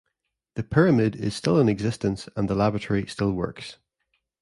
The "Pyramid" is still in existence and the laboratory still works.